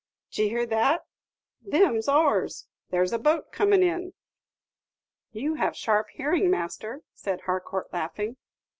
"D' ye hear that? them's oars; there's a boat coming in." "You have sharp hearing, master," said Harcourt, laughing.